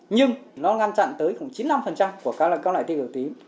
nhưng nó ngăn chặn tới khoảng chín mươi năm của các loại tiêu biểu tím